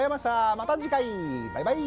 また次回バイバイ。